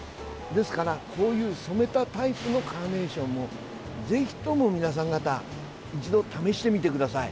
ですから、こういう染めたタイプのカーネーションもぜひとも皆さん方一度、試してみてください。